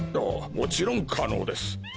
もちろん可能です。